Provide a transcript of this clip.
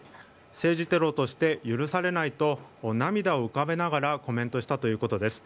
政治テロとして許されないと涙を浮かべながらコメントしたということです。